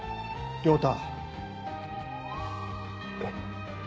良太。